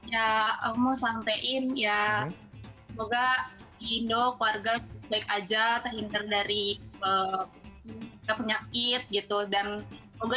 ya aku mau sampaikan ya semoga di indo keluarga baik aja terhindar dari penyakit gitu dan semoga